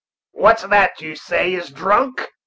"Who's that you say is drunk?"